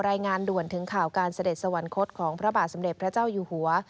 รายงานด่วนถึงข่าวการเสด็จสวรรคตของพระบาทสมเด็จพระเจ้าอยู่หัว